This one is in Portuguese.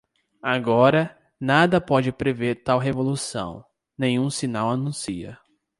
Agora, nada pode prever tal revolução, nenhum sinal anuncia.